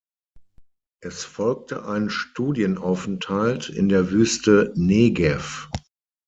Es folgte ein Studienaufenthalt in der Wüste Negev.